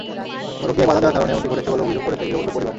পরকীয়ায় বাধা দেওয়ার কারণে এমনটি ঘটেছে বলে অভিযোগ করেছে গৃহবধূর পরিবার।